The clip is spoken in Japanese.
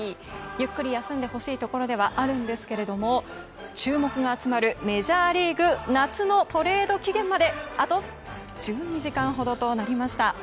ゆっくり休んでほしいところではあるんですけども注目が集まるメジャーリーグ夏のトレード期限まであと１２時間ほどとなりました。